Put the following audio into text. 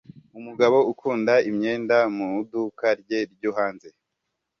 Umugabo ukunda imyenda mu iduka rye ryo hanze